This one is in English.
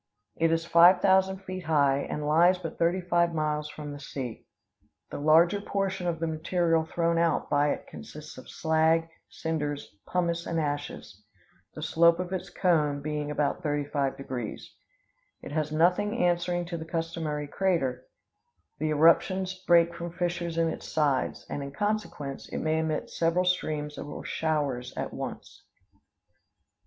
It is five thousand feet high, and lies but thirty five miles from the sea. The larger portion of the material thrown out by it consists of slag, cinders, pumice, and ashes, the slope of its cone being about 35 degrees. It has nothing answering to the customary crater; the eruptions break from fissures in its sides; and, in consequence, it may emit several streams or showers at once.